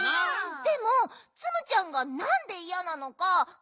でもツムちゃんがなんでいやなのかきいた？